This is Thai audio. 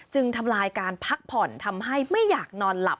ทำลายการพักผ่อนทำให้ไม่อยากนอนหลับ